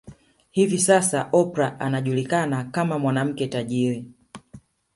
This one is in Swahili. Hivi Sasa Oprah anajulikana kama mwanamke tajiri